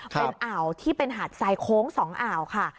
เป็นอ่าวที่เป็นหาดทรายโค้ง๒อ่าวค่ะ